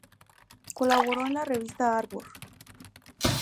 Colaboró en la revista Arbor.